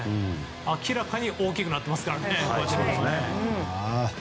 明らかに大きくなっていますから。